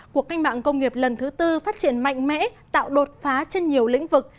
cuộc cách mạng công nghiệp lần thứ tư phát triển mạnh mẽ tạo đột phá trên nhiều lĩnh vực